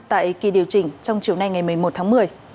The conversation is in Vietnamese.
tại kỳ điều chỉnh trong chiều nay ngày một mươi một tháng một mươi